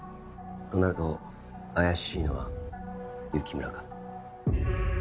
となると怪しいのは雪村か。